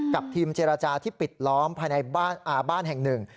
กับทีมเจรจาที่ปิดล้อมภายในบ้านแห่งหนึ่ง